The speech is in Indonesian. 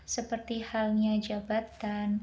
seperti halnya jabatan